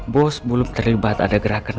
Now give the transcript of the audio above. bos belum terlibat ada gerakan